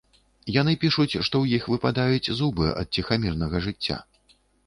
Яны пішуць, што ў іх выпадаюць зубы ад ціхамірнага жыцця.